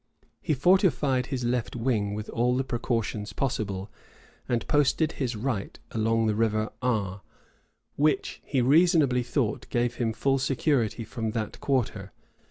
He fortified his left wing with all the precautions possible, and posted his right along the River Aa, which, he reasonably thought, gave him full security from that quarter.